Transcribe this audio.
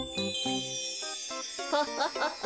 ハハハハ。